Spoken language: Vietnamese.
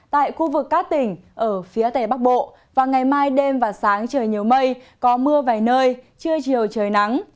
tại khu vực cát tỉnh ở phía tề bắc bộ vào ngày mai đêm và sáng trời nhiều mây có mưa vài nơi chưa chiều trời nắng